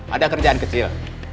ada kerjaan kecil